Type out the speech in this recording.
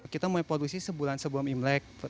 kita mulai produksi sebulan sebelum imlek